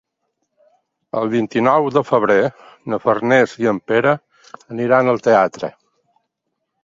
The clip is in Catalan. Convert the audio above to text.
El vint-i-nou de febrer na Farners i en Pere aniran al teatre.